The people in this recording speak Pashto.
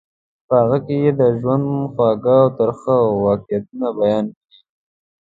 په هغوی کې یې د ژوند خوږ او ترخه واقعیتونه بیان کړي.